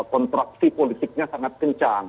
kontraksi politiknya sangat kencang